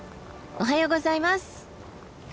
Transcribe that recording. おはようございます。